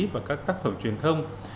và các tác phẩm truyền thông